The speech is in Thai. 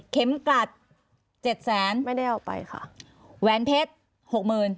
กลัดเจ็ดแสนไม่ได้เอาไปค่ะแหวนเพชรหกหมื่น